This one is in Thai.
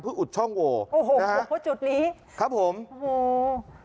เพื่ออุดช่องโวโอ้โหโอ้โหจุดนี้ครับผมโอ้โห